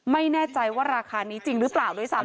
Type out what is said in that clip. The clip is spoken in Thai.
ไม่แน่ใจว่าราคานี้จริงหรือเปล่าด้วยซ้ำ